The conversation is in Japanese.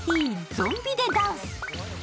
ゾンビ・デ・ダンス。